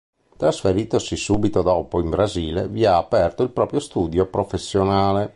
Trasferitosi subito dopo in Brasile, vi ha aperto il proprio studio professionale.